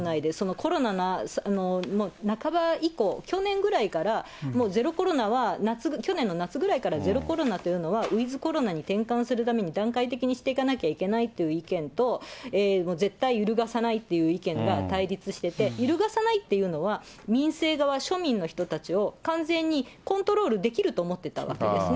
コロナの半ば以降、去年ぐらいから、もうゼロコロナは、去年の夏ぐらいからゼロコロナというのはウィズコロナに転換するために、段階的にしていかなきゃいけないっていう意見と、絶対揺るがさないという意見が対立してて、揺るがさないっていうのは、民政側、庶民の人たちを完全にコントロールできると思ってたわけですね。